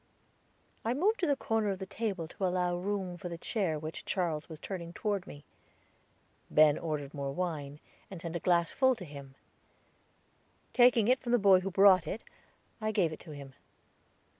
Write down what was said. I moved to the corner of the table to allow room for the chair which Charles was turning toward me. Ben ordered more wine, and sent a glass full to him. Taking it from the boy who brought it, I gave it to him.